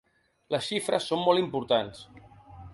Les xifres són molt importants.